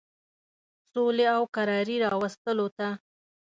سولي او کراري راوستلو ته.